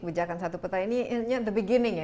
kebijakan satu peta ini the beginning ya